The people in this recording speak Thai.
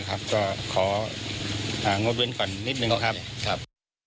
ครับก็ข้อขนงกขนนิดนึงนะครับ